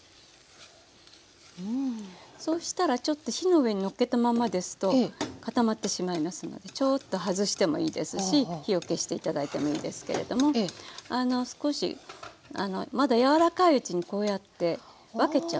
そうしたらちょっと火の上にのっけたままですと固まってしまいますのでちょっと外してもいいですし火を消して頂いてもいいですけれども少しまだ柔らかいうちにこうやって分けちゃうのね。